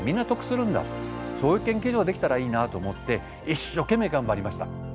そういう研究所ができたらいいなと思って一生懸命頑張りました。